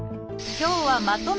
今日はまとめ